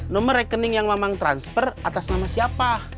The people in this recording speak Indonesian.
nomor rekening yang memang transfer atas nama siapa